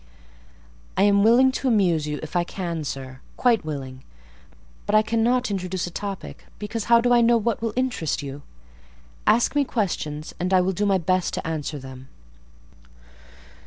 "I am willing to amuse you, if I can, sir—quite willing; but I cannot introduce a topic, because how do I know what will interest you? Ask me questions, and I will do my best to answer them."